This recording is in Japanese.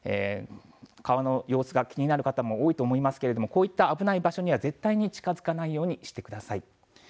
川の様子が気になる方も多いと思いますけれども、こういった危ない場所には絶対に近づかないようにしてください。